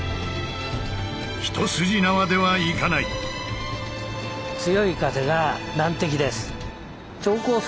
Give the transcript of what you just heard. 一筋縄ではいかない！を受けて。